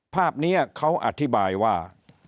ภาพนี้เขาอธิบายว่า